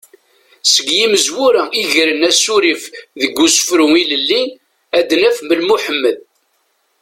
Seg yimezwura i yegren asurif deg usefru ilelli ad naf Ben Muḥemmed.